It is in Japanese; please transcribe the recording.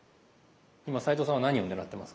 今齋藤さんは何を狙ってますか？